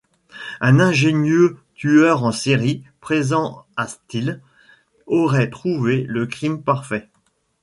Un ingénieux tueur en série, présent à Styles, aurait trouvé le crime parfait...